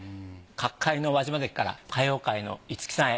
角界の輪島関から歌謡界の五木さんへ。